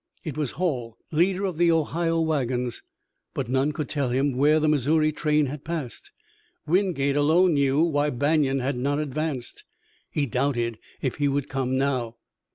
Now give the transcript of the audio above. It was Hall, leader of the Ohio wagons. But none could tell him where the Missouri train had paused. Wingate alone knew why Banion had not advanced. He doubted if he would come now.